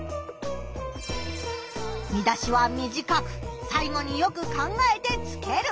見出しは短く最後によく考えてつける。